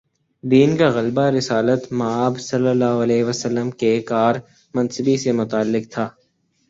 دین کا غلبہ رسالت مآبﷺ کے کار منصبی سے متعلق تھا۔